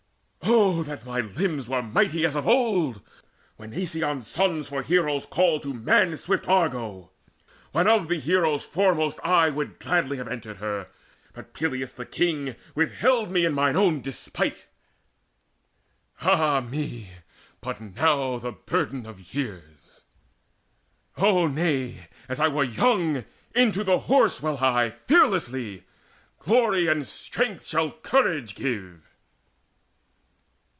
Oh that my limbs were mighty as of old, When Aeson's son for heroes called, to man Swift Argo, when of the heroes foremost I Would gladly have entered her, but Pelias The king withheld me in my own despite. Ah me, but now the burden of years O nay, As I were young, into the Horse will I Fearlessly! Glory and strength shall courage give."